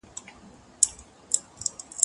زه له سهاره ليکلي پاڼي ترتيب کوم!.